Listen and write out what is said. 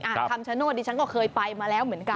คำชโนธดิฉันก็เคยไปมาแล้วเหมือนกัน